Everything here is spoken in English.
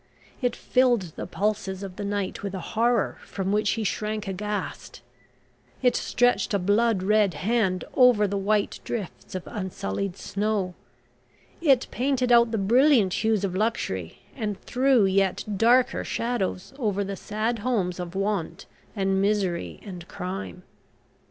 It filled the pulses of the night with a horror from which he shrank aghast, it stretched a blood red hand over the white drifts of unsullied snow, it painted out the brilliant hues of luxury, and threw yet darker shadows over the sad homes of want and misery and crime.